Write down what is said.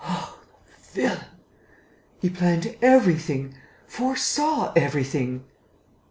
"Oh, the villain!... He planned everything, foresaw everything...."